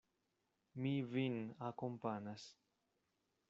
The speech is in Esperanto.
Mi vin akompanas.